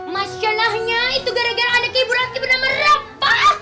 masyarakatnya itu gara gara anak ibu ranti bener bener merapas